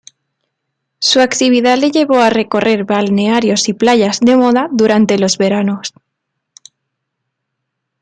Su actividad le llevó a recorrer balnearios y playas de moda durante los veranos.